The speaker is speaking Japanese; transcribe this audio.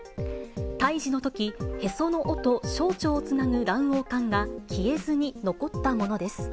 胎児のとき、へその緒と小腸をつなぐ卵黄管が消えずに残ったものです。